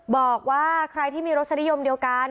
บอกว่าใครที่มีรสนิยมเดียวกัน